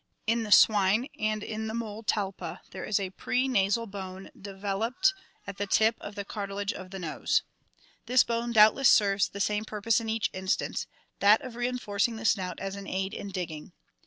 In the swine and in the mole Talpa there is a prenasal bone developed CURSORIAL AND FOSSORIAL ADAPTATION 311 at the tip of the cartilage of the nose. This bone doubtless serves the same purpose in each instance, that of reinforcing the snout as an aid in digging.